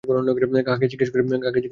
কাকে জিজ্ঞেস করি মেয়েটার ব্যাপারে?